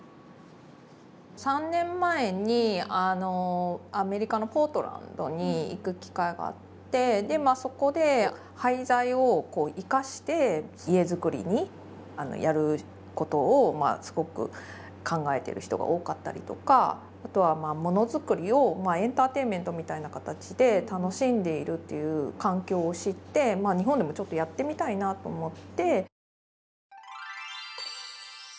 ３年前にアメリカのポートランドに行く機会があってでそこで廃材を生かして家づくりにやることをすごく考えてる人が多かったりとかあとはものづくりをエンターテインメントみたいな形で楽しんでいるという環境を知って日本でもちょっとやってみたいなと思って。